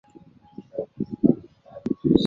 你们是迷惘的一代。